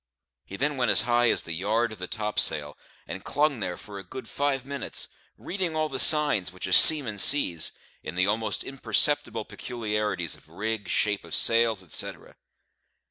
He then went as high as the yard of the topsail, and clung there for a good five minutes, reading all the signs which a seaman sees in the almost imperceptible peculiarities of rig, shape of sails, etcetera.